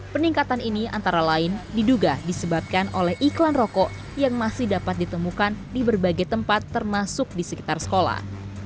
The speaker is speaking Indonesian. peningkatan ini antara lain diduga disebabkan oleh iklan rokok yang masih dapat ditemukan di berbagai tempat termasuk di sekitar sekolah